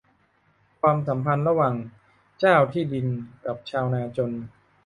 ความสัมพันธ์ระหว่างเจ้าที่ดินกับชาวนาจน